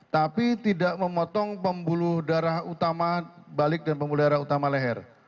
tapi tidak memotong pembuluh darah utama balik dan pembuluh darah utama leher